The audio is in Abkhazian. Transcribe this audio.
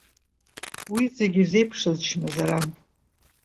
Уи зегьы ирзеиԥшыз чмазаран…